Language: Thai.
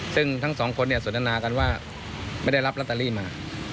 ซึ่งทั้งสองคนเนี่ยสดนานากันว่าไม่ได้รับรัตนาลีมา